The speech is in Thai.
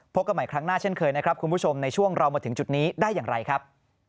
กันใหม่ครั้งหน้าเช่นเคยนะครับคุณผู้ชมในช่วงเรามาถึงจุดนี้ได้อย่างไรครับ